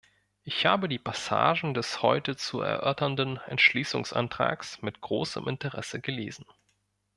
Ich habe die Passagen des heute zu erörternden Entschließungsantrags mit großem Interesse gelesen.